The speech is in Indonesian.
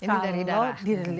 ini dari darah